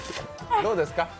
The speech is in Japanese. どうですか？